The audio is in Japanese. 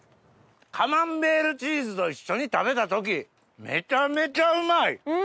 カマンベールチーズと一緒に食べた時めちゃめちゃうまい！